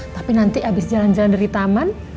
tapi nanti abis jalan jalan dari taman